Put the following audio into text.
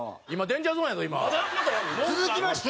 続きまして。